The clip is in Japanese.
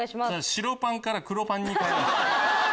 白パンから黒パンに替えました。